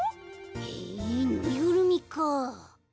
へえぬいぐるみか。